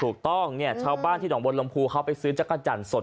ถูกต้องเนี่ยชาวบ้านที่หนองบนลมภูเขาไปซื้อจักรจันทร์สด